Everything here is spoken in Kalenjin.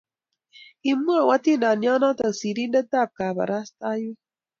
kimwou atindionoto serindetab kabarasteiwek.